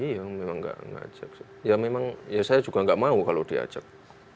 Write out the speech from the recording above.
iya memang nggak ngajak ya memang ya saya juga nggak mau kalau diajak